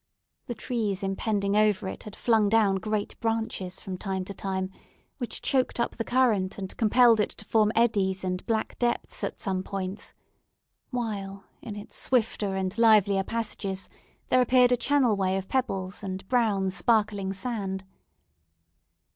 The trees impending over it had flung down great branches from time to time, which choked up the current, and compelled it to form eddies and black depths at some points; while, in its swifter and livelier passages there appeared a channel way of pebbles, and brown, sparkling sand.